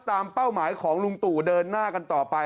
เป้าหมายของลุงตู่เดินหน้ากันต่อไป